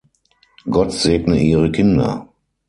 Gott segne Ihre Kinder.